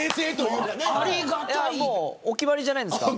お決まりじゃないですか。